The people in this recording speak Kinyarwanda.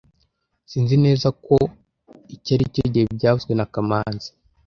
Sinzi neza ko iki aricyo gihe byavuzwe na kamanzi